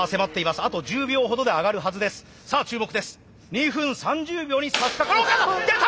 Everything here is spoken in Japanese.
２分３０秒にさしかかろうかと出た！